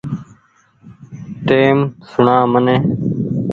ٽئيم سوڻآ مني ۔